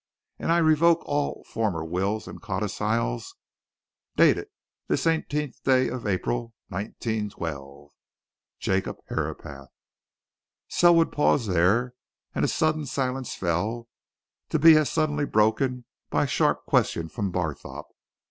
And I revoke all former wills and codicils. Dated this eighteenth day of April, 1912. "'JACOB HERAPATH.'" Selwood paused there, and a sudden silence fell to be as suddenly broken by a sharp question from Barthorpe.